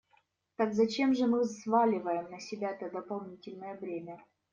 Так зачем же мы взваливаем на себя это дополнительное бремя?